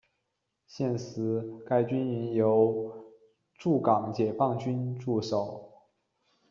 现时该军营由驻港解放军驻守。